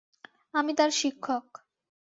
আমি তার শিক্ষক।